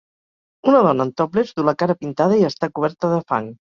Una dona en topless du la cara pintada i està coberta de fang.